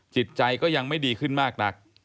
จิตใจก็ยังไม่ดีขึ้นมากนัก